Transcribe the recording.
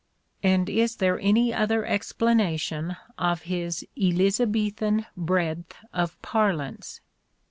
And is there any other explanation of his "Eliza bethan breadth of parlance"?